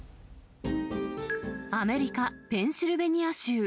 アメリカ・ペンシルベニア州。